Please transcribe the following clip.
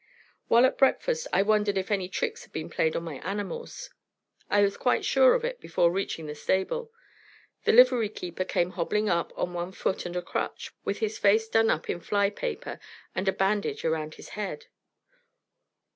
While at breakfast I wondered if any tricks had been played on my animals. I was quite sure of it before reaching the stable. The livery keeper came hobbling up on one foot and a crutch, with his face done up in fly paper, and a bandage around his head.